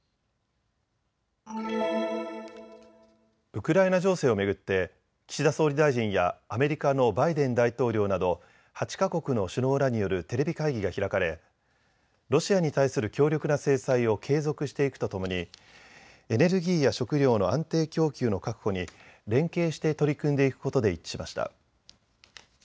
ウクライナ情勢を巡って岸田総理大臣やアメリカのバイデン大統領など８か国の首脳らによるテレビ会議が開かれロシアに対する強力な制裁を継続していくとともにエネルギーや食料の安定供給の確保に連携して取り組んでいくことで一致しました。